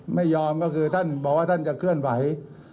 ไม่ยอมก็คือท่านบอกว่าท่านจะเคลื่อนไหว